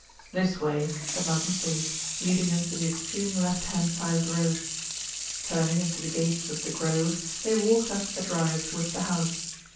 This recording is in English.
"This way," said Malcolm Sage, leading him to the extreme left hand side of the road. Turning into the gates of "The Grove," they walked up the drive towards the house.